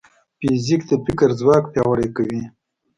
فزیک د فکر ځواک پیاوړی کوي.